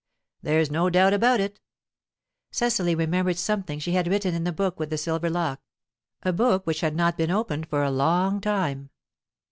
"There's no doubt about it." Cecily remembered something she had written in the book with the silver lock a book which had not been opened for a long time.